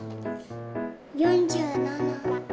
４７。